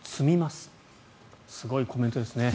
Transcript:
すごいコメントですね。